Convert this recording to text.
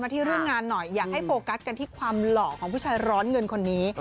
ที่เรื่องงานหน่อยอยากให้โฟกัสกันที่ความหล่อของผู้ชายร้อนเงินคนนี้